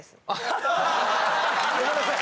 ごめんなさい。